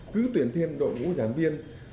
cứ tuyển thêm đội ngũ giảng viên